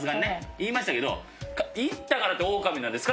言いましたけど言ったからってオオカミなんですか？